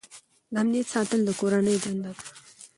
د امنیت ساتل د کورنۍ دنده ده.